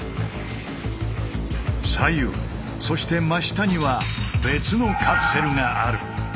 左右そして真下には別のカプセルがある。